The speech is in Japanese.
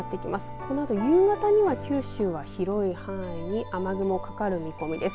このあと夕方には九州は広い範囲に雨雲かかる見込みです。